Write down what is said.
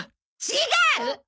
違う！！